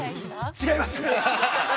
◆違います。